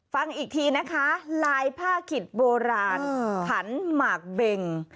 ฟังอีกทีนะคะลายผ้าขิดโบราณขันหมากเบง